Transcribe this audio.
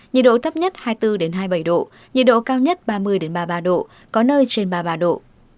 nhiệt độ thấp nhất hai mươi bốn hai mươi bảy độ nhiệt độ cao nhất ba mươi ba mươi ba độ có nơi trên ba mươi ba độ